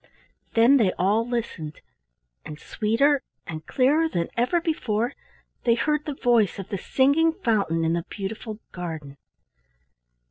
Then they all listened, and sweeter and clearer than ever before they heard the voice of the singing fountain in the beautiful garden.